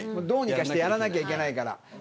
どうにかしてやらなきゃいけないから。